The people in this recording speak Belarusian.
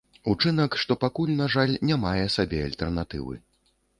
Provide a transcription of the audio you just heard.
Учынак, што пакуль, на жаль, не мае сабе альтэрнатывы.